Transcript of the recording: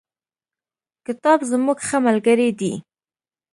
کتاب زموږ ښه ملگری دی.